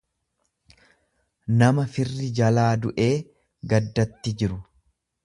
nama firri jalaa du'ee gaddatti jiru.